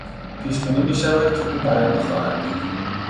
پیشبینی میشود که او برنده خواهد بود.